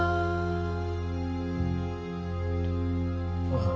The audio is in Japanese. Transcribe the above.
ああ。